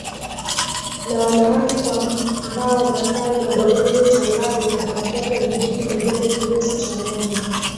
na wanawake kwa mbao matawi madogo yaliyochanganywa na matope vijiti majani kinyesi cha ngombe